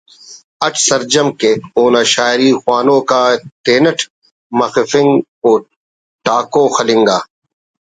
اٹ سر جم کیک اونا شاعری خوانوک آ ءِ تینٹ مخفنگ و ٹاکو خلنگ آ